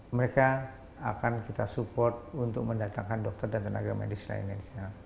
mereka akan kita support untuk mendatangkan dokter dan tenaga medis lainnya di sana